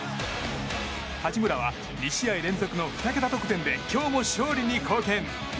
八村は２試合連続の２桁得点で今日も勝利に貢献。